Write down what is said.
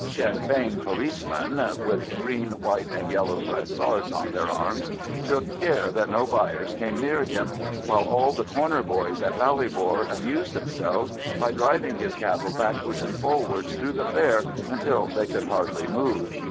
Sinn Fein "policemen," with green, white, and yellow brassards on their arms, took care that no buyers came near him, while all the corner boys in Ballybor amused themselves by driving his cattle backwards and forwards through the fair until they could hardly move.